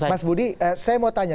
mas budi saya mau tanya